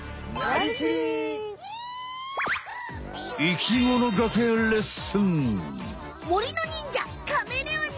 生きもの学園レッスン！